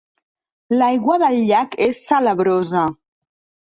L'aigua del llac és salabrosa.